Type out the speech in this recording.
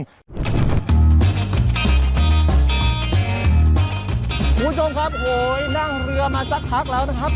คุณผู้ชมครับโหยนั่งเรือมาสักพักแล้วนะครับ